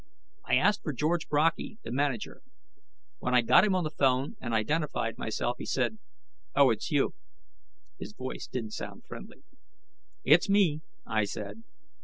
I asked for George Brockey, the manager. When I got him on the phone and identified myself, he said, "Oh. It's you." His voice didn't sound friendly. "It's me," I said.